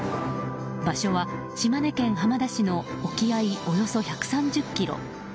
場所は、島根県浜田市の沖合およそ１３０ｋｍ。